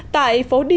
tại phố điện